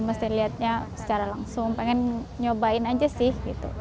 mesti lihatnya secara langsung pengen nyobain aja sih